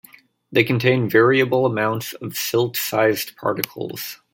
They contain variable amounts of silt-sized particles.